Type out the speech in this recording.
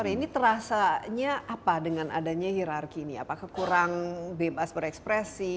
ini terasanya apa dengan adanya hirarki ini apakah kurang bebas berekspresi